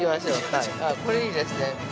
これ、いいですね。